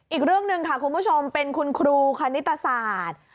อีกเรื่องหนึ่งค่ะคุณผู้ชมเป็นคุณครูคณิตศาสตร์